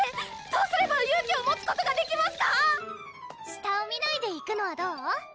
どうすれば勇気を持つことができますか⁉下を見ないで行くのはどう？